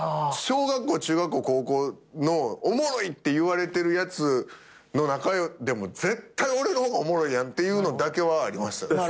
小学校中学校高校のおもろいっていわれてるやつの中でも絶対俺の方がおもろいやんっていうのだけはありました。